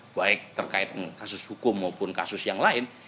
baik terkait kasus hukum maupun kasus yang lain